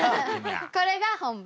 これが本番。